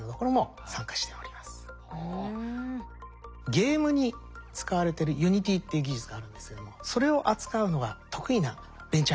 ゲームに使われてる「Ｕｎｉｔｙ」っていう技術があるんですけどもそれを扱うのが得意なベンチャー企業も入っております。